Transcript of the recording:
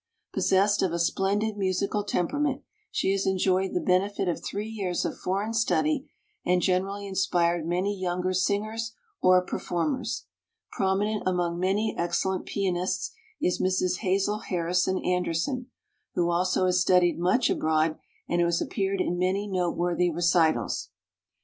Possessed of a splendid musical temperament, she has enjoyed the benefit of three years of foreign study and generally inspired many younger singers or performers. Prominent among many ex cellent pianists is Mrs. Hazel Harrison Anderson, who also has studied much abroad and who has appeared in many noteworthy recitals. Mrs.